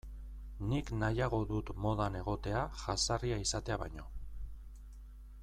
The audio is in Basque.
Nik nahiago dut modan egotea jazarria izatea baino.